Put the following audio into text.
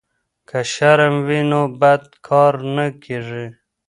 که شرم وي نو بد کار نه کیږي.